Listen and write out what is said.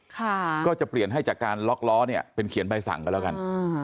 ก็จะเปลี่ยนให้จากการล็อกล้อเนี่ยเป็นเขียนใบสั่งกันแล้วกันอ่า